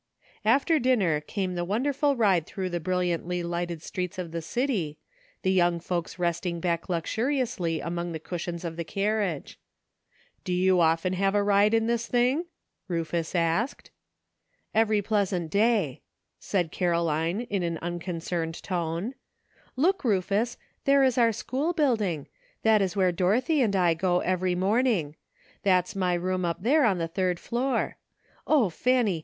After dinner came the wonderful ride through the brilliantly lighted streets of the city, the young folks resting back luxuriously among the cushions of the carriage. " Do you often have a ride in this thing ?" Ruf us asked. "Every pleasant day," said Caroline, in an unconcerned tone. "Look, Ruf us ! there is our school building ; that is where Dorothy and I go every morning. That's my room up there on the third floor. O, Fanny